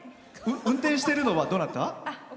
運転してるのはどなた？